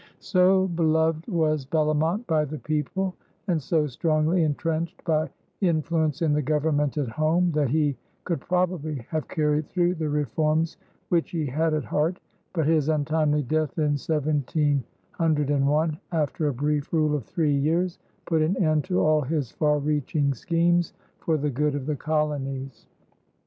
So beloved was Bellomont by the people and so strongly intrenched by influence in the Government at home that he could probably have carried through the reforms which he had at heart; but his untimely death in 1701, after a brief rule of three years, put an end to all his far reaching schemes for the good of the colonies.